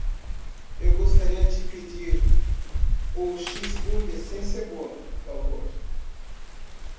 Eu gostaria de pedir o cheeseburger sem cebola? por favor.